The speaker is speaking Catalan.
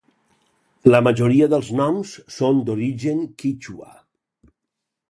La majoria dels noms són d'origen quítxua.